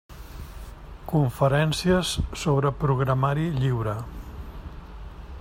Conferències sobre programari lliure.